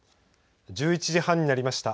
１１時半になりました。